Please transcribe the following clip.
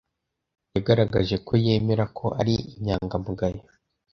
Yagaragaje ko yemera ko ari inyangamugayo.